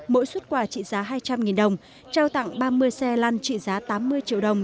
mỗi xuất quà trị giá hai trăm linh đồng trao tặng ba mươi xe lăn trị giá tám mươi triệu đồng